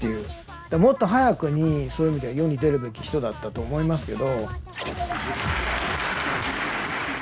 もっと早くにそういう意味では世に出るべき人だったと思いますけど。